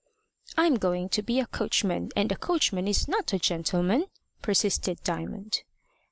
"I'm going to be a coachman, and a coachman is not a gentleman," persisted Diamond.